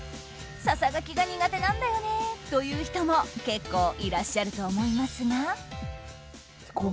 ささがきが苦手なんだよねえという人も結構いらっしゃると思いますが。